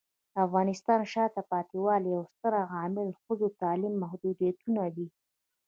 د افغانستان د شاته پاتې والي یو ستر عامل ښځو تعلیمي محدودیتونه دي.